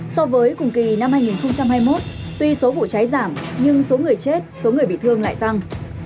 so với cùng kỳ năm hai nghìn hai mươi một tuy số vụ cháy giảm nhưng số người chết số người bị thương lại tăng